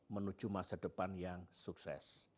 menuju masa depan yang sukses